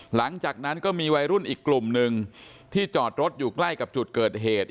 หลังจากนั้นก็มีวัยรุ่นอีกกลุ่มหนึ่งที่จอดรถอยู่ใกล้กับจุดเกิดเหตุ